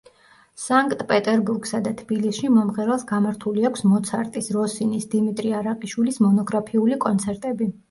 სანკტ პეტერბურგსა და თბილისში მომღერალს გამართული აქვს მოცარტის, როსინის, დიმიტრი არაყიშვილის მონოგრაფიული კონცერტები.